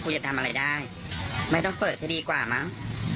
คุณจะทำอะไรได้ไม่ต้องเปิดซะดีกว่ามั้ง